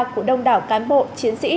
của đông đảo cán bộ chiến sĩ